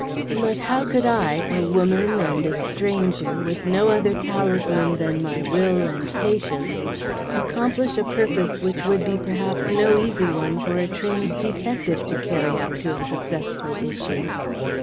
But how could I, a woman and a stranger, with no other talisman than my will and patience, accomplish a purpose which would be, perhaps, no easy one for a trained detective to carry out to a successful issue?